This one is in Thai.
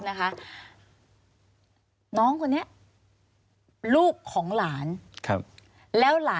ควิทยาลัยเชียร์สวัสดีครับ